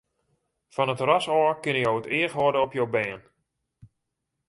Fan it terras ôf kinne jo it each hâlde op jo bern.